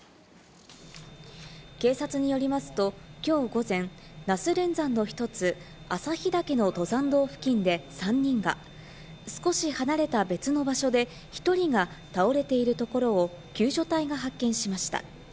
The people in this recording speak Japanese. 警察によりますと、きょう午前、那須連山の一つ、朝日岳の登山道付近で３人が少し離れた別の場所で１人が倒れているところを救助隊が発見しました。